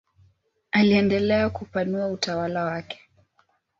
Aliendelea kupanua utawala wake.